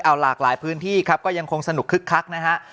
เอาหลากหลายพื้นที่ครับก็ยังคงสนุกคึกคักนะฮะ